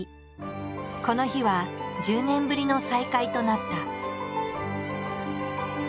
この日は１０年ぶりの再会となった。